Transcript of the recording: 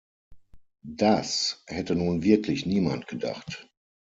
Das hätte nun wirklich niemand gedacht.